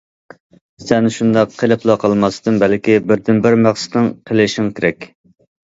سەن شۇنداق قىلىپلا قالماستىن بەلكى، بىردىنبىر مەقسىتىڭ قىلىشىڭ كېرەك.